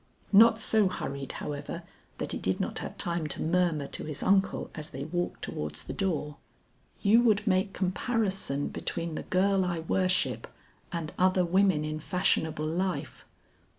Not so hurried however that he did not have time to murmur to his uncle as they walked towards the door: "You would make comparison between the girl I worship and other women in fashionable life.